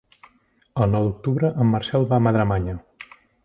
El nou d'octubre en Marcel va a Madremanya.